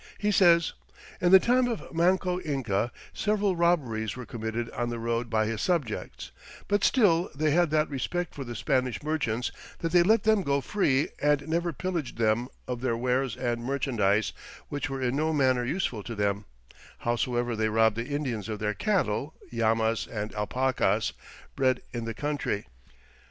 He says: "In the time of Manco Inca, several robberies were committed on the road by his subjects; but still they had that respect for the Spanish Merchants that they let them go free and never pillaged them of their wares and merchandise, which were in no manner useful to them; howsoever they robbed the Indians of their cattle [llamas and alpacas], bred in the countrey